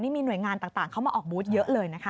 นี่มีหน่วยงานต่างเข้ามาออกบูธเยอะเลยนะคะ